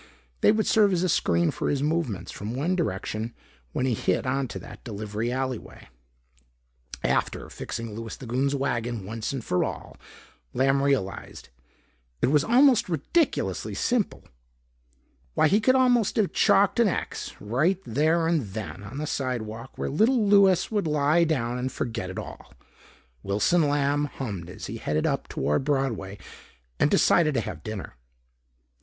They would serve as a screen for his movements from one direction when he hit into that delivery alleyway after fixing Louis the Goon's wagon once and for all, Lamb realized. It was almost ridiculously simple. Why he could almost have chalked an "X" right there and then on the sidewalk where little Louis would lie down and forget it all. Wilson Lamb hummed as he headed up toward Broadway and decided to have dinner.